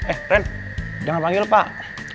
eh ren jangan panggil pak